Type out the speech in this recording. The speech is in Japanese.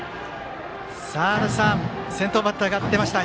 足達さん先頭バッターが出ました。